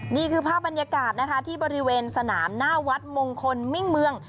นี่คือภาพบรรยากาศนะคะที่บริเวณสนามหน้าวัดมงคลมิ่งเมือง